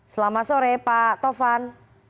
selamat sore pak tovan